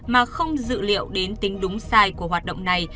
mà không dự liệu đến tính đúng sai của hoạt động này